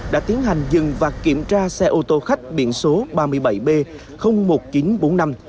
đã tiến hành dừng và kiểm tra xe ô tô khách biển số ba mươi bảy b một nghìn chín trăm bốn mươi năm